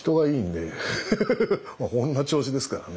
まあこんな調子ですからね。